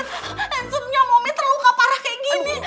handsomenya mami terluka parah kayak gini